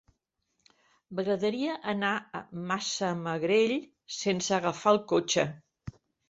M'agradaria anar a Massamagrell sense agafar el cotxe.